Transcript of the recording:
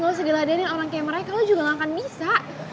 lo segala adeknya orang kayak mereka lo juga gak akan bisa